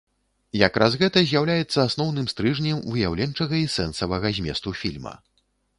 Якраз гэта з'яўляецца асноўным стрыжнем выяўленчага і сэнсавага зместу фільма.